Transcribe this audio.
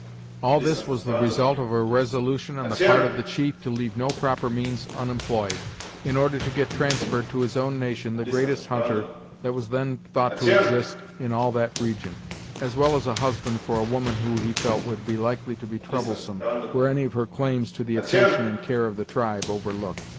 All this was the result of a resolution on the part of the chief to leave no proper means unemployed, in order to get transferred to his own nation the greatest hunter that was then thought to exist in all that region, as well as a husband for a woman who he felt would be likely to be troublesome, were any of her claims to the attention and care of the tribe overlooked.